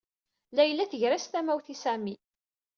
Layla tger-as tamawt i Sami.